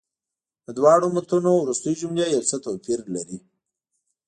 د دواړو متونو وروستۍ جملې یو څه توپیر لري.